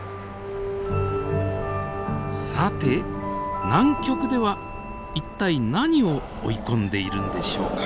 さて南極では一体何を追い込んでいるんでしょうか。